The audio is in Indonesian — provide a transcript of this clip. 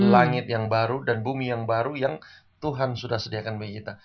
langit yang baru dan bumi yang baru yang tuhan sudah sediakan bagi kita